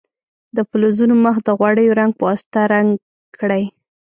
د فلزونو مخ د غوړیو رنګ په واسطه رنګ کړئ.